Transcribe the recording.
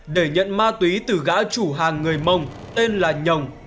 để nhận ma túy từ gã chủ hàng người mông tên là nhồng